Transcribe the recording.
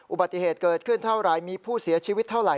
อุบัติเหตุเกิดขึ้นเท่าไหร่มีผู้เสียชีวิตเท่าไหร